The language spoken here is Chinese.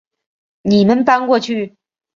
你们搬过去